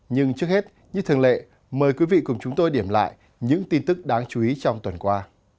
nhưng trước hết như thường lệ mời quý vị cùng chúng tôi điểm lại những tin tức đáng chú ý trong tuần qua